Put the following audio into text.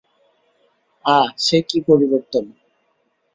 আঃ, সে কী পরিবর্তন।